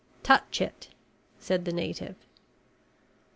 "Touch it," said the native.